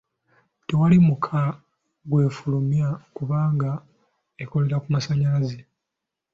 Tewali mukka gw'efulumya kubanga ekolera ku masannyalaze.